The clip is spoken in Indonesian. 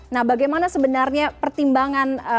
nah bagaimana sebenarnya pertimbangan